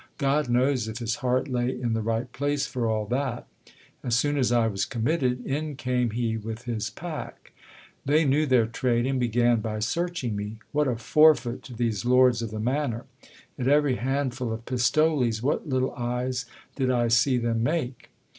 God knows if his heart lay in the right place for all that ! As soon as I was committed, in came he with his pack. They knew their trade, and began by searching me. What a forfeit to these lords of the manor ! At every handful of pistoles, what little eyes did I see them make